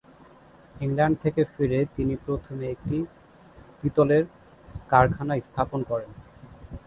England থেকে ফিরে তিনি প্রথমে একটি পিতলের কারখানা স্থাপন করেন।